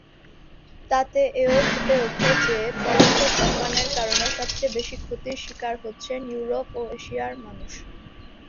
তাতে এও ফুটে ওঠে যে, পরোক্ষ ধূমপানের কারণে সবচেয়ে বেশি ক্ষতির স্বীকার হচ্ছেন ইউরোপ ও এশিয়ার মানুষ।